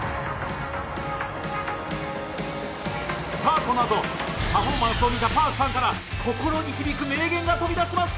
さぁこの後パフォーマンスを見たＰａｒｋさんから心に響く名言が飛び出します。